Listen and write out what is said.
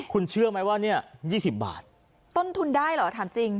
คุณเชื่อไหมว่าเนี่ย๒๐บาทต้นทุนได้เหรอถามจริง